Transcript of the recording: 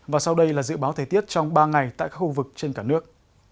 và sau đây là dự báo thời tiết trong ba ngày tại khu vực trên cả nước